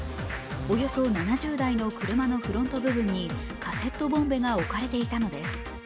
およそ７０台の車のフロント部分にカセットボンベが置かれていたのです。